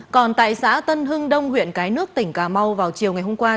còn tại xã tân hưng đông huyện cái nước tỉnh cà mau vào chiều ngày hôm qua